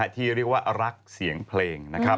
ที่เรียกว่ารักเสียงเพลง